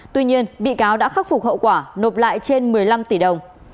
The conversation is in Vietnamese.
tuy nhiên bị cáo đã khắc phục hậu quả nộp lại trên một mươi năm tỷ đồng